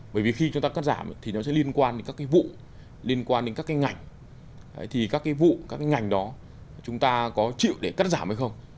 bởi vì khi chúng ta cắt giảm thì nó sẽ liên quan đến các cái vụ liên quan đến các cái ngành thì các cái vụ các cái ngành đó chúng ta có chịu để cắt giảm hay không